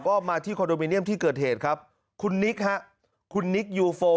ก็มาที่คอนโดมิเนียมที่เกิดเหตุครับคุณนิกฮะคุณนิกยูโฟ